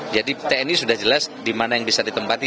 jadi tni sudah jelas dimana yang bisa ditempati